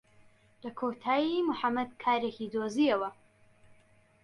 لە کۆتایی موحەممەد کارێکی دۆزییەوە.